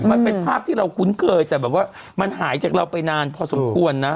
มันเป็นภาพที่เราคุ้นเคยแต่แบบว่ามันหายจากเราไปนานพอสมควรนะ